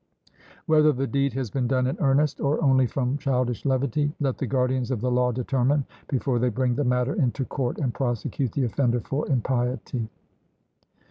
Whether the deed has been done in earnest, or only from childish levity, let the guardians of the law determine, before they bring the matter into court and prosecute the offender for impiety.